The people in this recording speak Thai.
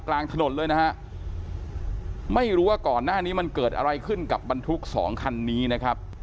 กลางถนนเลยนะฮะไม่รู้ว่าก่อนหน้านี้มันเกิดอะไรขึ้นกับบรรทุกสองคันนี้นะครับ